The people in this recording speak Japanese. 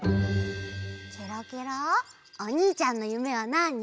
ケロケロおにいちゃんのゆめはなあに？